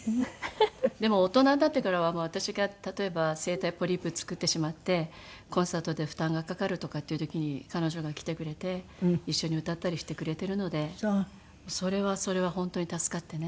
でも大人になってからは私が例えば声帯ポリープ作ってしまってコンサートで負担がかかるとかっていう時に彼女が来てくれて一緒に歌ったりしてくれてるのでそれはそれは本当に助かってね。